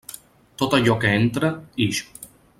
Tot allò que entra, ix.